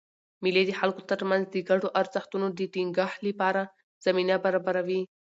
مېلې د خلکو ترمنځ د ګډو ارزښتونو د ټینګښت له پاره زمینه برابروي.